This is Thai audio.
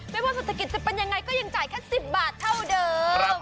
ว่าเศรษฐกิจจะเป็นยังไงก็ยังจ่ายแค่๑๐บาทเท่าเดิม